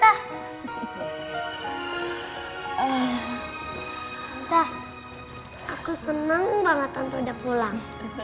dah aku senang banget tante udah pulang